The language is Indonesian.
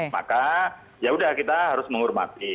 maka yaudah kita harus menghormati